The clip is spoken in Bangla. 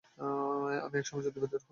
আমি একসময় জ্যোতির্বিজ্ঞানী হতে চেয়েছিলাম।